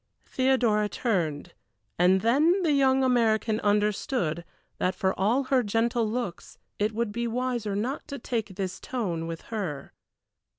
Theodora turned, and then the young American understood that for all her gentle looks it would be wiser not to take this tone with her.